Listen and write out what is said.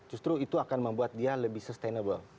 justru itu akan membuat dia lebih sustainable